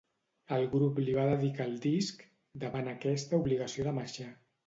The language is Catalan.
El grup li va dedicar el disc, davant aquesta obligació de marxar.